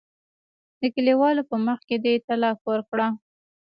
د کلیوالو په مخ کې دې طلاق ورکړه.